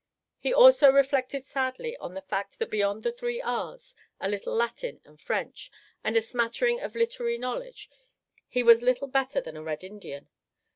He also reflected sadly on the fact that beyond the three R's, a little Latin and French, and a smattering of literary knowledge, he was little better than a red Indian.